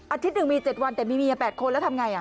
อาทิตย์๑มี๗วันแต่มีเมีย๘คนแล้วทำไง